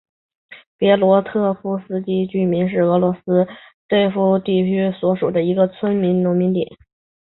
别克托夫斯卡亚农村居民点是俄罗斯联邦沃洛格达州沃热加区所属的一个农村居民点。